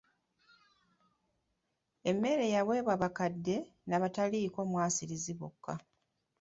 Emmere yaweebwa bakadde n'abataliiko mwasirizi bokka.